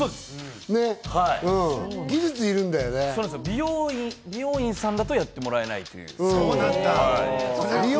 美容院さんだとやってもらえないという。